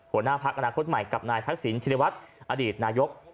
หัวหน้าพักอนาคตใหม่กับนายทักษิณชินวัฒน์อดีตนายก